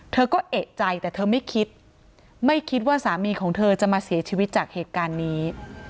เธอก็เอกใจแต่เธอไม่คิดไม่คิดว่าสามีของเธอจะมาเสียชีวิตจากเหตุการณ์นี้